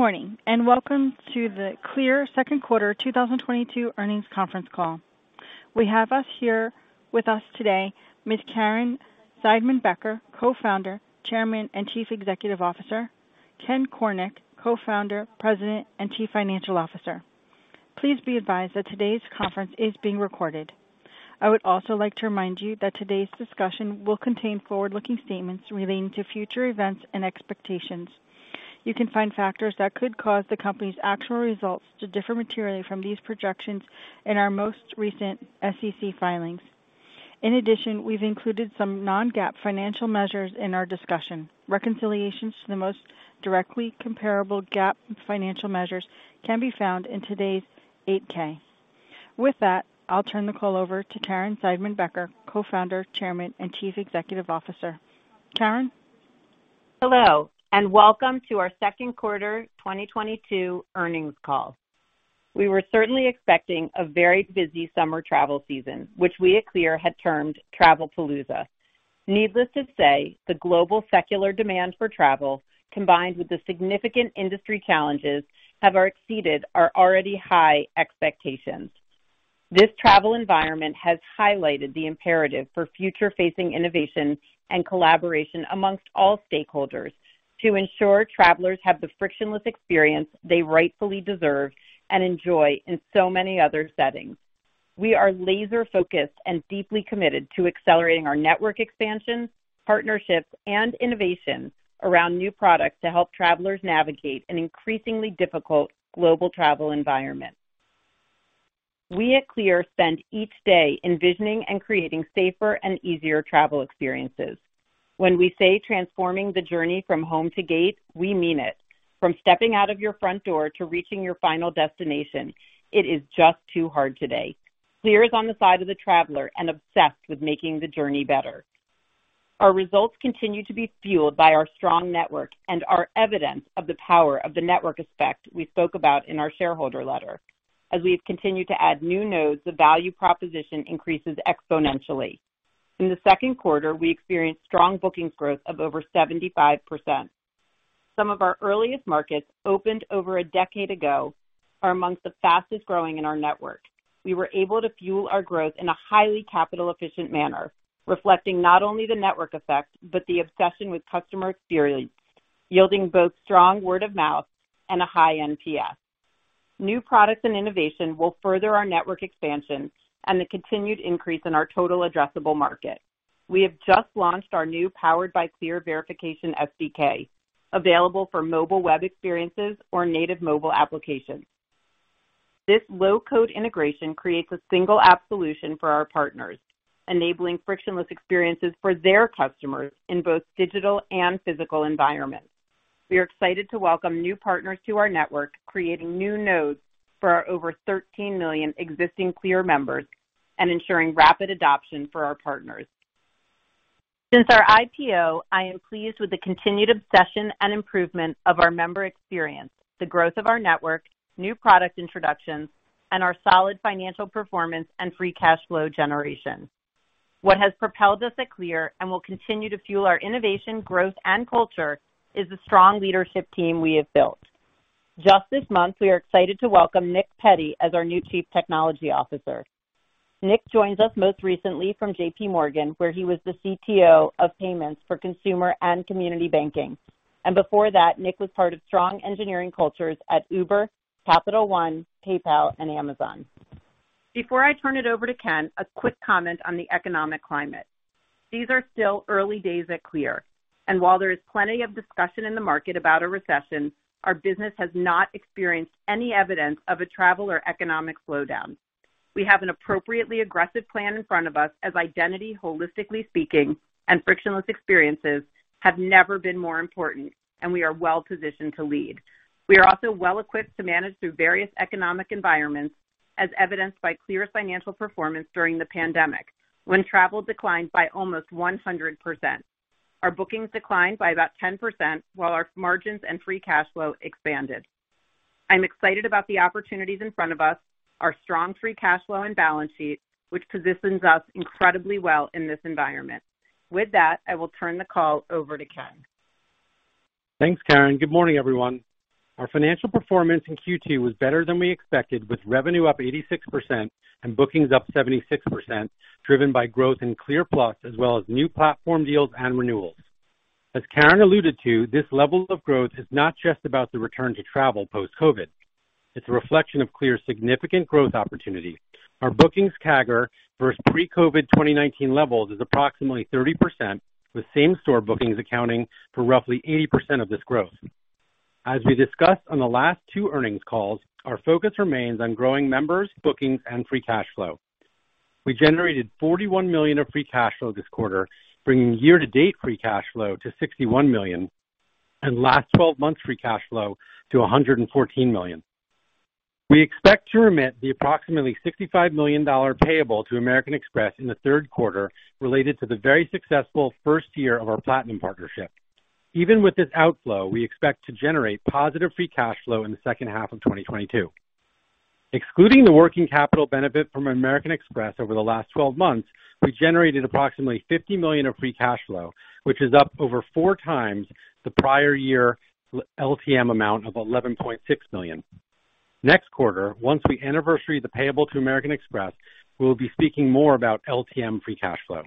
Good morning, and welcome to the Clear second quarter 2022 earnings conference call. We have with us today Ms. Caryn Seidman-Becker, Co-founder, Chairman, and Chief Executive Officer, Ken Cornick, Co-founder, President, and Chief Financial Officer. Please be advised that today's conference is being recorded. I would also like to remind you that today's discussion will contain forward-looking statements relating to future events and expectations. You can find factors that could cause the company's actual results to differ materially from these projections in our most recent SEC filings. In addition, we've included some non-GAAP financial measures in our discussion. Reconciliations to the most directly comparable GAAP financial measures can be found in today's 8-K. With that, I'll turn the call over to Caryn Seidman-Becker, Co-founder, Chairman, and Chief Executive Officer. Caryn. Hello, and welcome to our second quarter 2022 earnings call. We were certainly expecting a very busy summer travel season, which we at Clear had termed Travelpalooza. Needless to say, the global secular demand for travel, combined with the significant industry challenges, have exceeded our already high expectations. This travel environment has highlighted the imperative for future-facing innovation and collaboration among all stakeholders to ensure travelers have the frictionless experience they rightfully deserve and enjoy in so many other settings. We are laser-focused and deeply committed to accelerating our network expansion, partnerships, and innovation around new products to help travelers navigate an increasingly difficult global travel environment. We at Clear spend each day envisioning and creating safer and easier travel experiences. When we say transforming the journey from home to gate, we mean it. From stepping out of your front door to reaching your final destination, it is just too hard today. Clear is on the side of the traveler and obsessed with making the journey better. Our results continue to be fueled by our strong network and our evidence of the power of the network effect we spoke about in our shareholder letter. As we have continued to add new nodes, the value proposition increases exponentially. In the second quarter, we experienced strong bookings growth of over 75%. Some of our earliest markets, opened over a decade ago, are among the fastest-growing in our network. We were able to fuel our growth in a highly capital-efficient manner, reflecting not only the network effect, but the obsession with customer experience, yielding both strong word of mouth and a high NPS. New products and innovation will further our network expansion and the continued increase in our total addressable market. We have just launched our new Powered by CLEAR verification SDK, available for mobile web experiences or native mobile applications. This low-code integration creates a single app solution for our partners, enabling frictionless experiences for their customers in both digital and physical environments. We are excited to welcome new partners to our network, creating new nodes for our over 13 million existing Clear members and ensuring rapid adoption for our partners. Since our IPO, I am pleased with the continued obsession and improvement of our member experience, the growth of our network, new product introductions, and our solid financial performance and free cash flow generation. What has propelled us at Clear and will continue to fuel our innovation, growth, and culture is the strong leadership team we have built. Just this month, we are excited to welcome Nick Petti as our new Chief Technology Officer. Nick joins us most recently from JPMorgan, where he was the CTO of payments for consumer and community banking. Before that, Nick was part of strong engineering cultures at Uber, Capital One, PayPal, and Amazon. Before I turn it over to Ken, a quick comment on the economic climate. These are still early days at Clear, and while there is plenty of discussion in the market about a recession, our business has not experienced any evidence of a travel or economic slowdown. We have an appropriately aggressive plan in front of us as identity, holistically speaking, and frictionless experiences have never been more important, and we are well-positioned to lead. We are also well-equipped to manage through various economic environments, as evidenced by Clear's financial performance during the pandemic, when travel declined by almost 100%. Our bookings declined by about 10%, while our margins and free cash flow expanded. I'm excited about the opportunities in front of us, our strong free cash flow, and balance sheet, which positions us incredibly well in this environment. With that, I will turn the call over to Ken. Thanks, Caryn. Good morning, everyone. Our financial performance in Q2 was better than we expected, with revenue up 86% and bookings up 76%, driven by growth in Clear Plus, as well as new platform deals and renewals. As Caryn alluded to, this level of growth is not just about the return to travel post-COVID. It's a reflection of Clear's significant growth opportunities. Our bookings CAGR versus pre-COVID 2019 levels is approximately 30%, with same-store bookings accounting for roughly 80% of this growth. As we discussed on the last two earnings calls, our focus remains on growing members, bookings, and free cash flow. We generated $41 million of free cash flow this quarter, bringing year-to-date free cash flow to $61 million and last twelve months free cash flow to $114 million. We expect to remit the approximately $65 million payable to American Express in the third quarter related to the very successful first year of our Platinum partnership. Even with this outflow, we expect to generate positive free cash flow in the second half of 2022. Excluding the working capital benefit from American Express over the last twelve months, we generated approximately $50 million of free cash flow, which is up over 4x the prior year LTM amount of $11.6 million. Next quarter, once we anniversary the payable to American Express, we'll be speaking more about LTM free cash flow.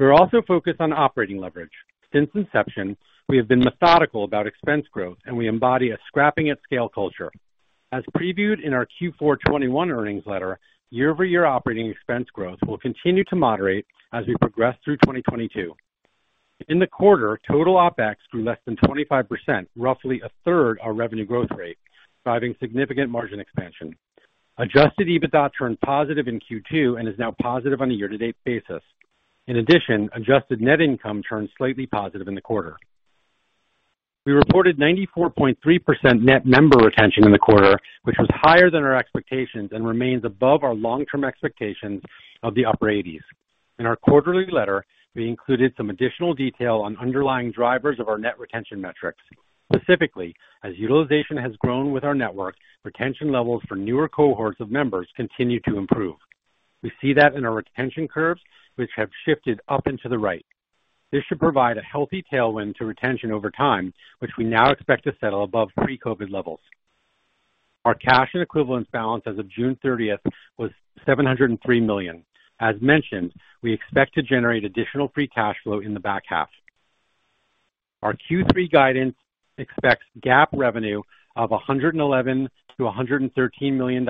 We're also focused on operating leverage. Since inception, we have been methodical about expense growth, and we embody a scrappy at scale culture. As previewed in our Q4 2021 earnings letter, year-over-year operating expense growth will continue to moderate as we progress through 2022. In the quarter, total OpEx grew less than 25%, roughly a third of our revenue growth rate, driving significant margin expansion. Adjusted EBITDA turned positive in Q2 and is now positive on a year-to-date basis. In addition, adjusted net income turned slightly positive in the quarter. We reported 94.3% net member retention in the quarter, which was higher than our expectations and remains above our long-term expectations of the upper 80s. In our quarterly letter, we included some additional detail on underlying drivers of our net retention metrics. Specifically, as utilization has grown with our network, retention levels for newer cohorts of members continue to improve. We see that in our retention curves, which have shifted up into the right. This should provide a healthy tailwind to retention over time, which we now expect to settle above pre-COVID levels. Our cash and equivalents balance as of June 30th was $703 million. As mentioned, we expect to generate additional free cash flow in the back half. Our Q3 guidance expects GAAP revenue of $111 million-$113 million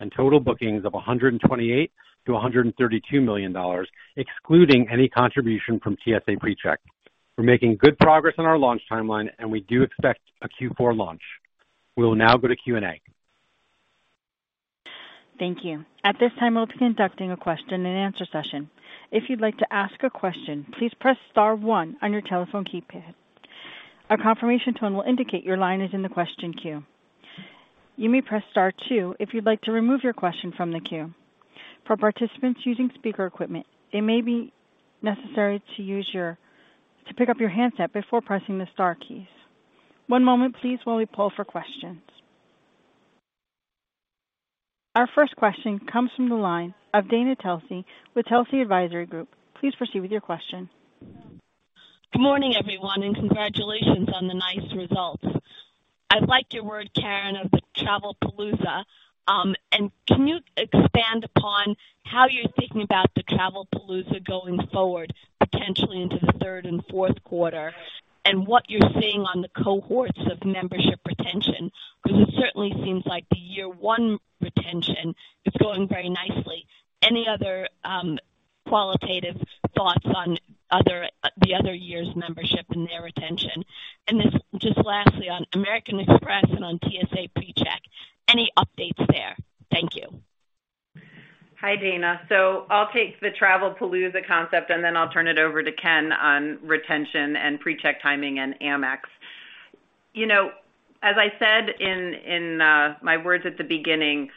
and total bookings of $128 million-$132 million, excluding any contribution from TSA PreCheck. We're making good progress on our launch timeline, and we do expect a Q4 launch. We'll now go to Q&A. Thank you. At this time, we'll be conducting a Q&A session. If you'd like to ask a question, please press star one on your telephone keypad. A confirmation tone will indicate your line is in the question queue. You may press star two if you'd like to remove your question from the queue. For participants using speaker equipment, it may be necessary to pick up your handset before pressing the star keys. One moment please while we poll for questions. Our first question comes from the line of Dana Telsey with Telsey Advisory Group. Please proceed with your question. Good morning, everyone, and congratulations on the nice results. I liked your word, Caryn, of the Travelpalooza. Can you expand upon how you're thinking about the Travelpalooza going forward, potentially into the third and fourth quarter, and what you're seeing on the cohorts of membership retention? Because it certainly seems like the year one retention is going very nicely. Any other qualitative thoughts on the other year's membership and their retention? Just lastly, on American Express and on TSA PreCheck, any updates there? Thank you. Hi, Dana. I'll take the Travelpalooza concept, and then I'll turn it over to Ken on retention and PreCheck timing and Amex. You know, as I said in my words at the beginning,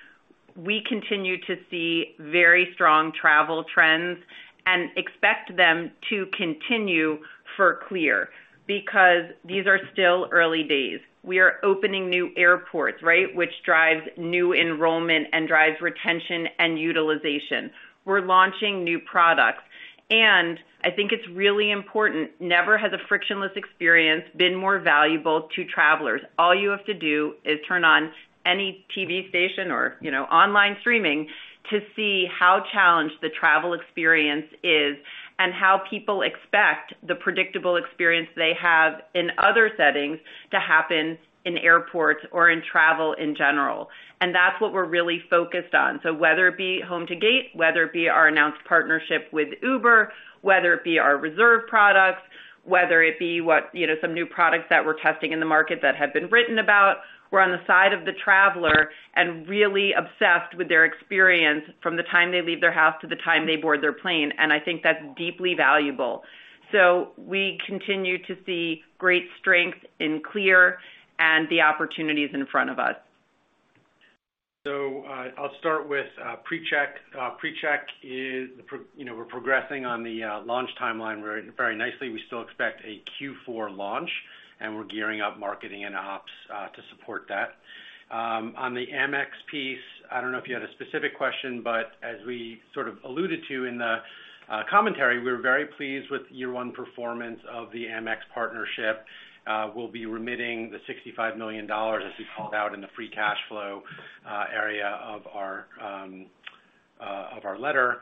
we continue to see very strong travel trends and expect them to continue for CLEAR because these are still early days. We are opening new airports, right? Which drives new enrollment and drives retention and utilization. We're launching new products, and I think it's really important, never has a frictionless experience been more valuable to travelers. All you have to do is turn on any TV station or, you know, online streaming to see how challenged the travel experience is and how people expect the predictable experience they have in other settings to happen in airports or in travel in general. That's what we're really focused on. Whether it be Home to Gate, whether it be our announced partnership with Uber, whether it be our Reserve products, whether it be what, you know, some new products that we're testing in the market that have been written about, we're on the side of the traveler and really obsessed with their experience from the time they leave their house to the time they board their plane, and I think that's deeply valuable. We continue to see great strength in CLEAR and the opportunities in front of us. I'll start with PreCheck. PreCheck is, you know, we're progressing on the launch timeline very, very nicely. We still expect a Q4 launch, and we're gearing up marketing and ops to support that. On the Amex piece, I don't know if you had a specific question, but as we sort of alluded to in the commentary, we're very pleased with year-one performance of the Amex partnership. We'll be remitting the $65 million, as we called out in the free cash flow area of our letter.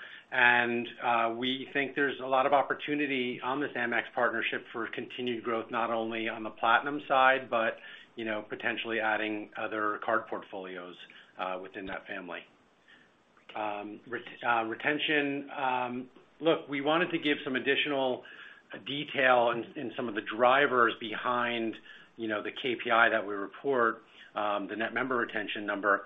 We think there's a lot of opportunity on this Amex partnership for continued growth, not only on the Platinum side, but you know, potentially adding other card portfolios within that family. Retention. Look, we wanted to give some additional detail in some of the drivers behind, you know, the KPI that we report, the net member retention number.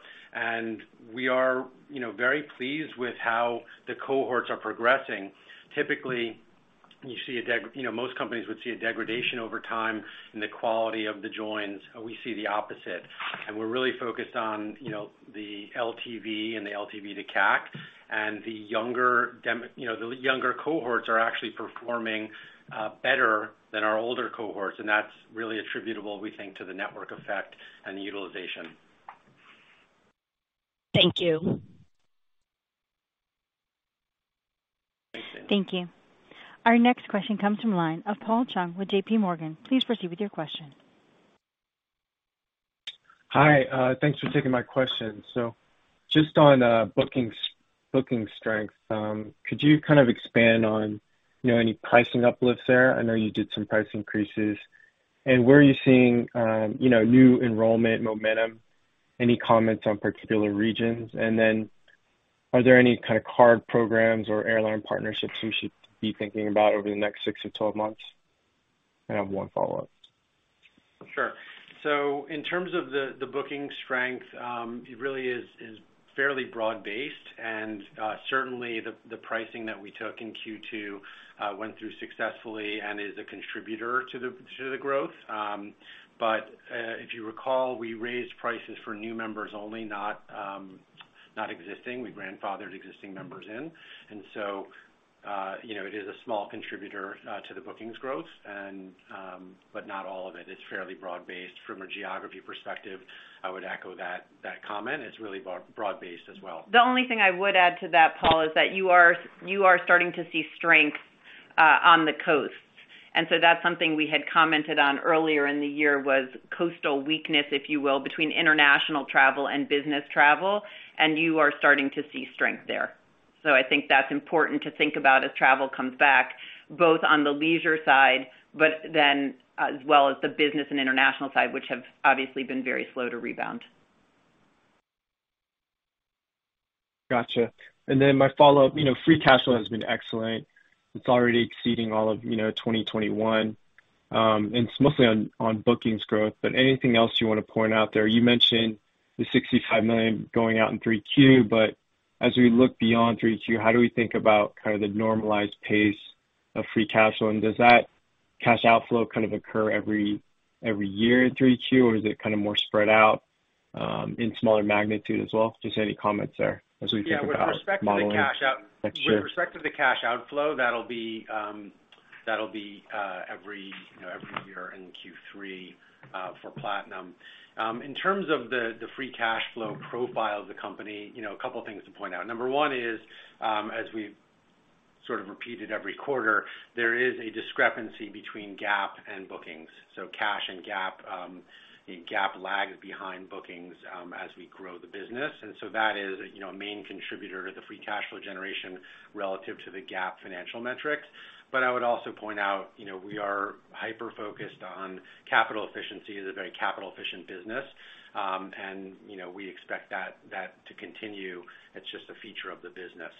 We are, you know, very pleased with how the cohorts are progressing. Typically, you see a degradation over time in the quality of the joins. We see the opposite, and we're really focused on, you know, the LTV and the LTV to CAC. The younger cohorts are actually performing better than our older cohorts, and that's really attributable, we think, to the network effect and the utilization. Thank you. Thank you. Our next question comes from the line of Paul Chung with JPMorgan. Please proceed with your question. Hi, thanks for taking my question. Just on bookings, booking strength, could you kind of expand on, you know, any pricing uplifts there? I know you did some price increases. Where are you seeing, you know, new enrollment momentum? Any comments on particular regions? Then are there any kind of card programs or airline partnerships we should be thinking about over the next six to 12 months? I have one follow-up. Sure. In terms of the booking strength, it really is fairly broad-based. Certainly the pricing that we took in Q2 went through successfully and is a contributor to the growth. If you recall, we raised prices for new members only, not existing. We grandfathered existing members in. You know, it is a small contributor to the bookings growth and but not all of it. It's fairly broad-based. From a geography perspective, I would echo that comment. It's really broad-based as well. The only thing I would add to that, Paul, is that you are starting to see strength on the coast. That's something we had commented on earlier in the year was coastal weakness, if you will, between international travel and business travel, and you are starting to see strength there. I think that's important to think about as travel comes back, both on the leisure side, but then as well as the business and international side, which have obviously been very slow to rebound. Gotcha. My follow-up, you know, free cash flow has been excellent. It's already exceeding all of, you know, 2021, and it's mostly on bookings growth. Anything else you wanna point out there? You mentioned the $65 million going out in 3Q. As we look beyond 3Q, how do we think about kind of the normalized pace of free cash flow? Does that cash outflow kind of occur every year in 3Q, or is it kind of more spread out in smaller magnitude as well? Just any comments there as we think about modeling next year. Yeah. With respect to the cash outflow, that'll be every year in Q3, you know, for Platinum. In terms of the free cash flow profile of the company, you know, a couple things to point out. Number one is, as we've sort of repeated every quarter, there is a discrepancy between GAAP and bookings. So cash and GAAP, and GAAP lags behind bookings, as we grow the business. That is, you know, a main contributor to the free cash flow generation relative to the GAAP financial metrics. I would also point out, you know, we are hyper-focused on capital efficiency as a very capital-efficient business. You know, we expect that to continue. It's just a feature of the business.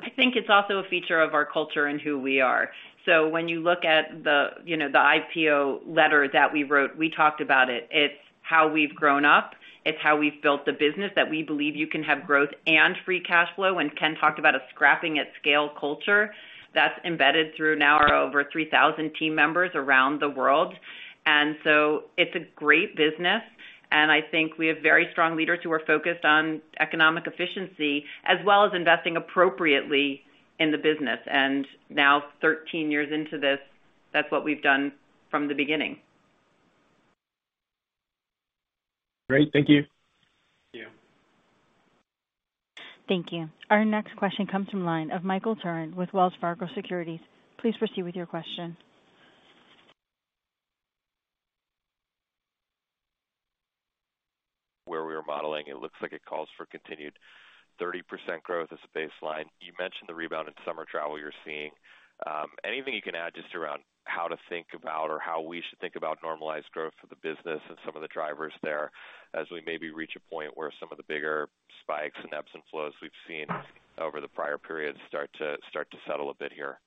I think it's also a feature of our culture and who we are. When you look at the, you know, the IPO letter that we wrote, we talked about it. It's how we've grown up. It's how we've built the business that we believe you can have growth and free cash flow. When Ken talked about a scrappy at scale culture, that's embedded throughout now our over 3,000 team members around the world. It's a great business, and I think we have very strong leaders who are focused on economic efficiency as well as investing appropriately in the business. Now 13 years into this, that's what we've done from the beginning. Great. Thank you. Thank you. Thank you. Our next question comes from line of Michael Turrin with Wells Fargo Securities. Please proceed with your question. Where we were modeling, it looks like it calls for continued 30% growth as a baseline. You mentioned the rebound in summer travel you're seeing. Anything you can add just around how to think about or how we should think about normalized growth for the business and some of the drivers there, as we maybe reach a point where some of the bigger spikes, ebbs and flows we've seen over the prior periods start to settle a bit here?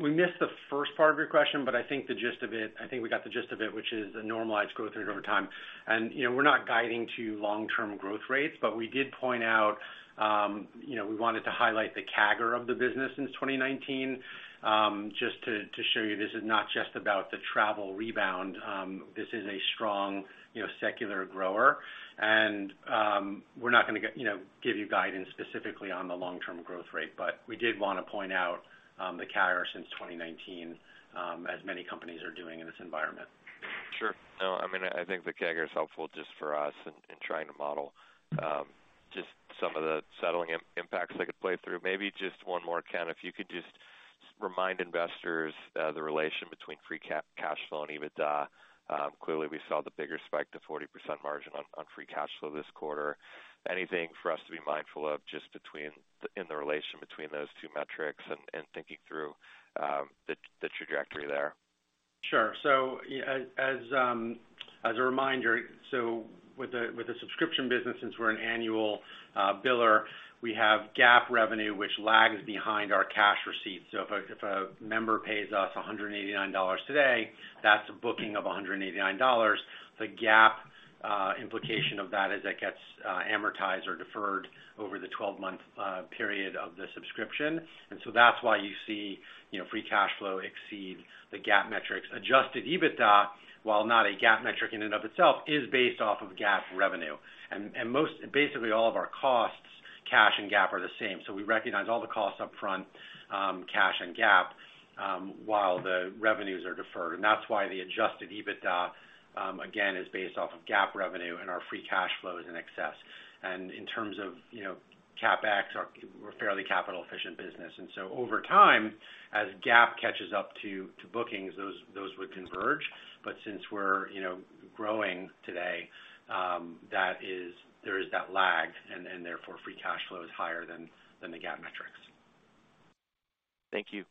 We missed the first part of your question, but I think we got the gist of it, which is the normalized growth rate over time. You know, we're not guiding to long-term growth rates, but we did point out, you know, we wanted to highlight the CAGR of the business since 2019, just to show you this is not just about the travel rebound. This is a strong, you know, secular grower. We're not gonna, you know, give you guidance specifically on the long-term growth rate. We did wanna point out the CAGR since 2019, as many companies are doing in this environment. Sure. No, I mean, I think the CAGR is helpful just for us in trying to model just some of the settling impacts that could play through. Maybe just one more, Ken, if you could just remind investors the relation between free cash flow and EBITDA. Clearly, we saw the bigger spike to 40% margin on free cash flow this quarter. Anything for us to be mindful of just between, in the relation between those two metrics and thinking through the trajectory there? Sure. As a reminder, with the subscription business, since we're an annual biller, we have GAAP revenue which lags behind our cash receipts. If a member pays us $189 today, that's a booking of $189. The GAAP implication of that is it gets amortized or deferred over the 12-month period of the subscription. That's why you see, you know, free cash flow exceed the GAAP metrics. Adjusted EBITDA, while not a GAAP metric in and of itself, is based off of GAAP revenue. Most—basically all of our costs, cash and GAAP are the same. We recognize all the costs up front, cash and GAAP, while the revenues are deferred. That's why the Adjusted EBITDA, again, is based off of GAAP revenue and our free cash flow is in excess. In terms of CapEx, we're a fairly capital-efficient business. Over time, as GAAP catches up to bookings, those would converge. Since we're growing today, there is that lag and therefore free cash flow is higher than the GAAP metrics. Thank you.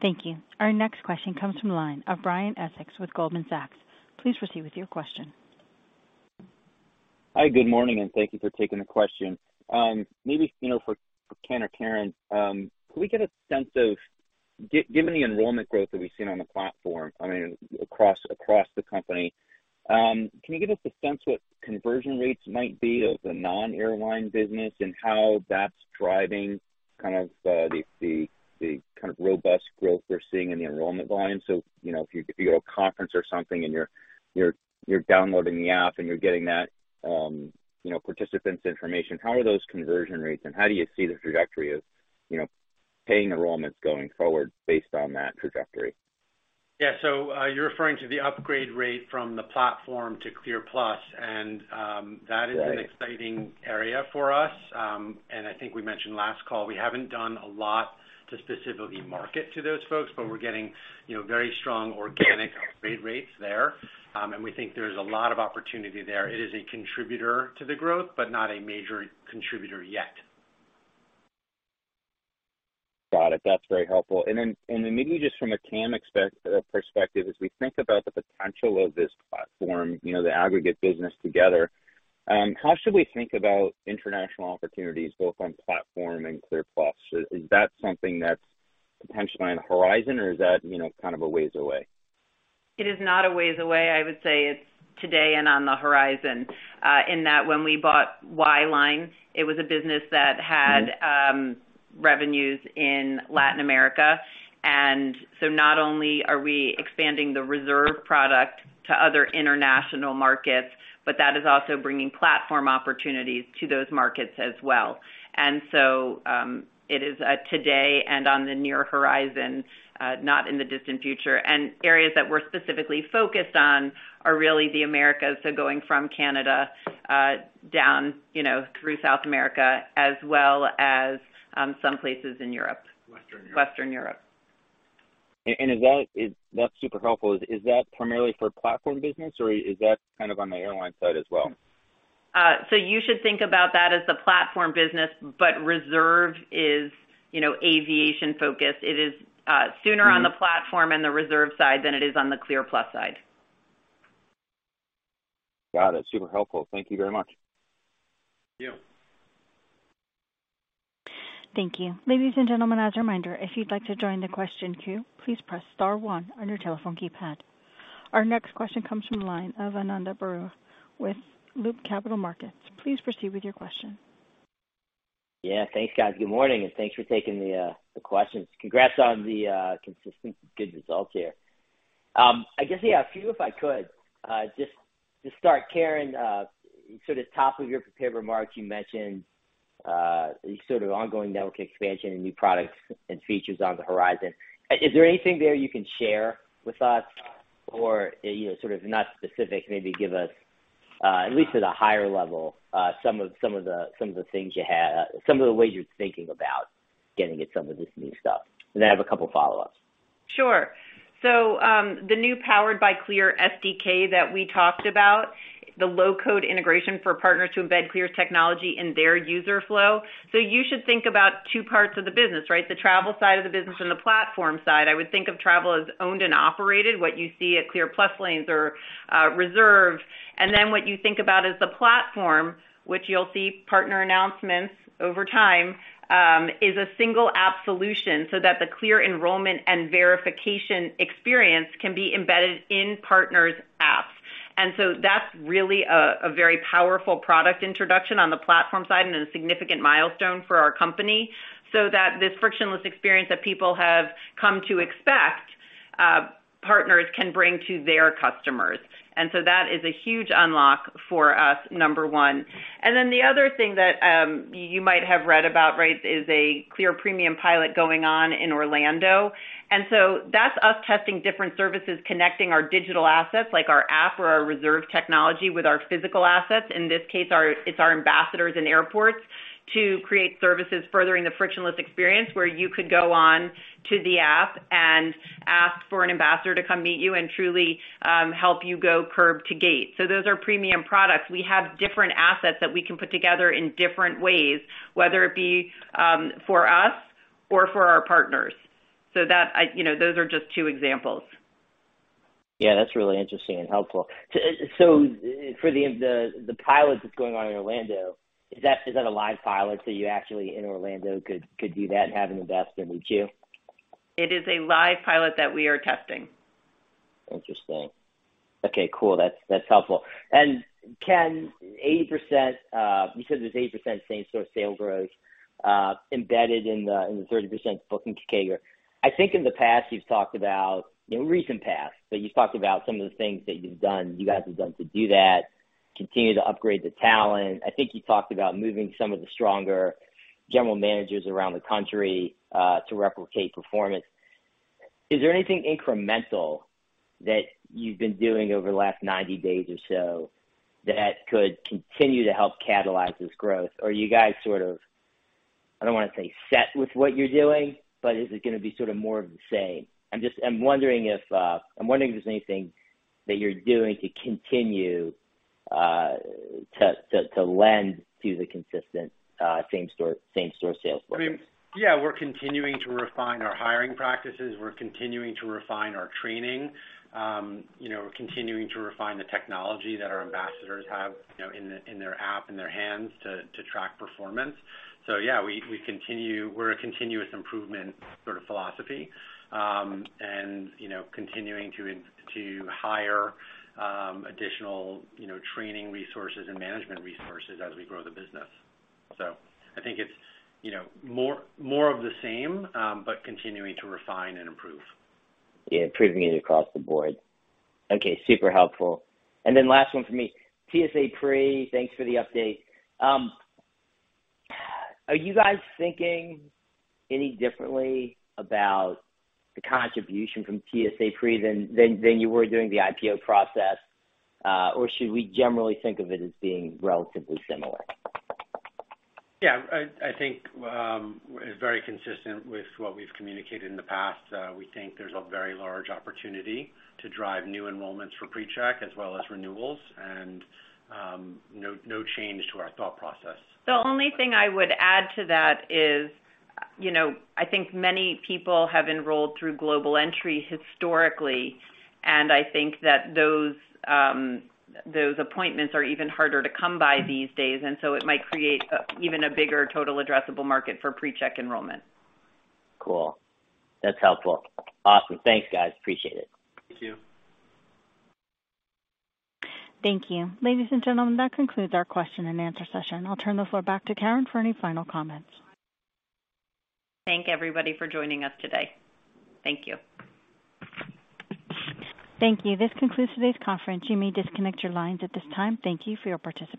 Thank you. Our next question comes from the line of Brian Essex with Goldman Sachs. Please proceed with your question. Hi, good morning, and thank you for taking the question. Maybe, you know, for Ken or Caryn, can we get a sense of given the enrollment growth that we've seen on the platform, I mean, across the company, can you give us a sense what conversion rates might be of the non-airline business and how that's driving kind of the kind of robust growth we're seeing in the enrollment volume? You know, if you go to a conference or something and you're downloading the app and you're getting that, you know, participants' information, how are those conversion rates, and how do you see the trajectory of, you know, paying enrollments going forward based on that trajectory? Yeah. You're referring to the upgrade rate from the platform to CLEAR Plus, and that is an exciting area for us. I think we mentioned last call, we haven't done a lot to specifically market to those folks, but we're getting, you know, very strong organic upgrade rates there. We think there's a lot of opportunity there. It is a contributor to the growth, but not a major contributor yet. Got it. That's very helpful. Maybe just from a TAM perspective, as we think about the potential of this platform, you know, the aggregate business together, how should we think about international opportunities both on platform and CLEAR Plus? Is that something that's potentially on the horizon or is that, you know, kind of a ways away? It is not a ways away. I would say it's today and on the horizon, in that when we bought Whyline, it was a business that had revenues in Latin America. Not only are we expanding the Reserve product to other international markets, but that is also bringing platform opportunities to those markets as well. It is today and on the near horizon, not in the distant future. Areas that we're specifically focused on are really the Americas, so going from Canada, down, you know, through South America as well as some places in Europe. Western Europe. Western Europe. That's super helpful. Is that primarily for platform business, or is that kind of on the airline side as well? You should think about that as the platform business, but Reserve is, you know, aviation-focused. It is sooner on the platform and the Reserve side than it is on the CLEAR Pro side. Got it. Super helpful. Thank you very much. Yeah. Thank you. Ladies and gentlemen, as a reminder, if you'd like to join the question queue, please press star one on your telephone keypad. Our next question comes from the line of Ananda Baruah with Loop Capital Markets. Please proceed with your question. Yeah. Thanks, guys. Good morning, and thanks for taking the questions. Congrats on the consistent good results here. I guess, yeah, a few if I could. Just to start, Caryn, sort of top of your prepared remarks, you mentioned sort of ongoing network expansion and new products and features on the horizon. Is there anything there you can share with us or, you know, sort of not specific, maybe give us at least at a higher level some of the ways you're thinking about getting at some of this new stuff? I have a couple follow-ups. Sure. The new Powered by CLEAR SDK that we talked about, the low-code integration for partners to embed CLEAR's technology in their user flow. You should think about two parts of the business, right? The travel side of the business and the platform side. I would think of travel as owned and operated, what you see at CLEAR Plus lanes or Reserve. Then what you think about as the platform, which you'll see partner announcements over time, is a single app solution so that the CLEAR enrollment and verification experience can be embedded in partners' apps. That's really a very powerful product introduction on the platform side and a significant milestone for our company, so that this frictionless experience that people have come to expect, partners can bring to their customers. That is a huge unlock for us, number one. The other thing that you might have read about, right, is a CLEAR Concierge pilot going on in Orlando. That's us testing different services, connecting our digital assets like our app or our Reserve technology with our physical assets, in this case, our ambassadors in airports, to create services furthering the frictionless experience, where you could go on to the app and ask for an ambassador to come meet you and truly help you go curb to gate. Those are premium products. We have different assets that we can put together in different ways, whether it be for us or for our partners. You know, those are just two examples. Yeah, that's really interesting and helpful. For the pilot that's going on in Orlando, is that a live pilot? You actually in Orlando could do that and have an ambassador meet you? It is a live pilot that we are testing. Interesting. Okay, cool. That's helpful. Ken, 80%, you said there's 80% same-store sales growth embedded in the 30% booking CAGR. I think in the past you've talked about, in recent past, but you've talked about some of the things that you've done, you guys have done to do that, continue to upgrade the talent. I think you talked about moving some of the stronger general managers around the country to replicate performance. Is there anything incremental that you've been doing over the last 90 days or so that could continue to help catalyze this growth? Or you guys sort of, I don't wanna say, settled with what you're doing, but is it gonna be sort of more of the same? I'm wondering if there's anything that you're doing to continue to lend to the consistent same store sales growth? I mean, yeah, we're continuing to refine our hiring practices. We're continuing to refine our training. You know, we're continuing to refine the technology that our ambassadors have, you know, in their app, in their hands to track performance. Yeah, we're a continuous improvement sort of philosophy, and you know, continuing to hire additional you know, training resources and management resources as we grow the business. I think it's you know, more of the same, but continuing to refine and improve. Yeah, improving it across the board. Okay, super helpful. Last one for me. TSA PreCheck, thanks for the update. Are you guys thinking any differently about the contribution from TSA PreCheck than you were during the IPO process? Or should we generally think of it as being relatively similar? Yeah, I think very consistent with what we've communicated in the past. We think there's a very large opportunity to drive new enrollments for TSA PreCheck as well as renewals, and no change to our thought process. The only thing I would add to that is, you know, I think many people have enrolled through Global Entry historically, and I think that those appointments are even harder to come by these days, and so it might create even a bigger total addressable market for PreCheck enrollment. Cool. That's helpful. Awesome. Thanks, guys. Appreciate it. Thank you. Thank you. Ladies and gentlemen, that concludes our Q&A session. I'll turn the floor back to Caryn for any final comments. Thank everybody for joining us today. Thank you. Thank you. This concludes today's conference. You may disconnect your lines at this time. Thank you. Your participation.